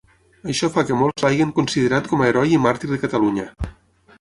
Això fa que molts l'hagin considerat com a heroi i màrtir de Catalunya.